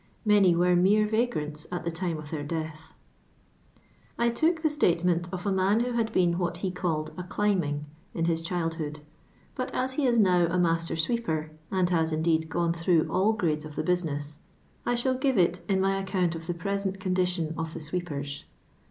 Many were nure vagrants at the tiiM of their death, I took the statement of a man who had been what he called a "climbing" in his childhood, but as be is now a master sweeper, and has indeed gone through all grades of the business, I shall give it in my account of the present condition of the sweepers.